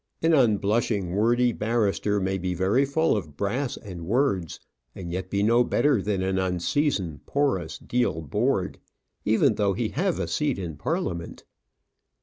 An unblushing, wordy barrister may be very full of brass and words, and yet be no better than an unseasoned porous deal board, even though he have a seat in Parliament.